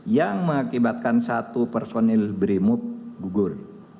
yang mengakibatkan satu personil brimob gugur